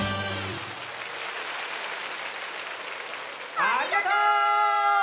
ありがとう！